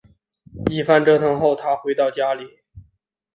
一番折腾后她回到家里